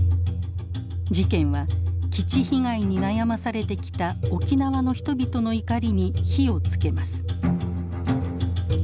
事件は基地被害に悩まされてきた沖縄の人々の怒りに火をつけます。